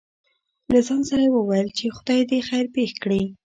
له ځان سره يې وويل :چې خداى دې خېر پېښ کړي.